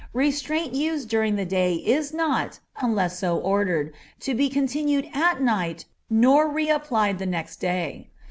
Restraint used during the day is not, unless so ordered, to be continued at night nor reapplied the next day.